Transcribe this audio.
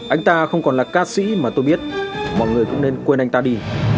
anh ta không còn là ca sĩ mà tôi biết mọi người cũng nên quên anh ta đi